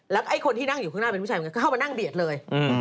ไอ้คนที่นั่งอยู่ข้างหน้าเป็นผู้ชายเหมือนกันก็เข้ามานั่งเบียดเลย